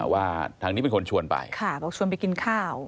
ว่าทางนี้เป็นคนชวนไปค่ะบอกชวนไปกินข้าว